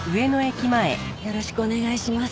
よろしくお願いします。